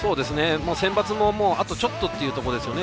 センバツもあとちょっとというところですよね。